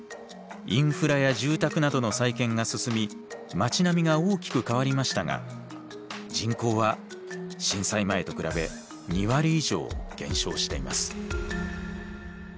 インフラや住宅などの再建が進み町並みが大きく変わりましたが人口は震災前と比べ２割以上減少しています。